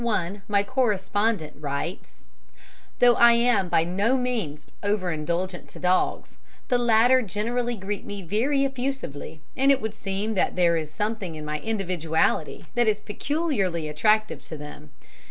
1 my correspondent writes: "Though I am by no means over indulgent to dogs, the latter generally greet me very effusively, and it would seem that there is something in my individuality that is peculiarly attractive to them.